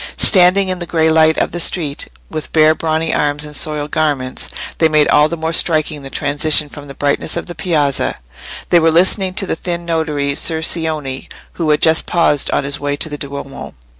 Standing in the grey light of the street, with bare brawny arms and soiled garments, they made all the more striking the transition from the brightness of the Piazza. They were listening to the thin notary, Ser Cioni, who had just paused on his way to the Duomo.